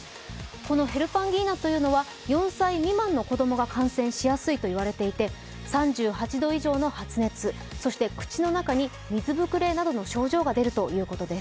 このヘルパンギーナというのは４歳未満の子供が感染しやすいと言われていて３８度以上の発熱そして口の中に水ぶくれなどの症状が出るということです。